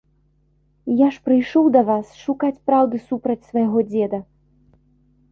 Я ж прыйшоў да вас шукаць праўды супраць свайго дзеда.